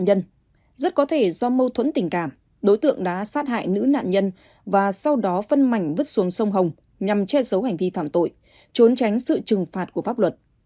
nữ nạn nhân rất có thể do mâu thuẫn tình cảm đối tượng đã sát hại nữ nạn nhân và sau đó phân mảnh vứt xuống sông hồng nhằm che sấu hành vi phạm tội trốn tránh sự trừng phạt của pháp luật